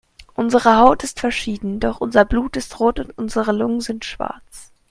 Unsere Haut ist verschieden, doch unser Blut ist rot und unsere Lungen sind schwarz.